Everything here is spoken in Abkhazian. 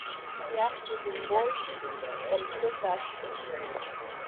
Иахьӡыз умбои, Кьамсыс ахьӡын…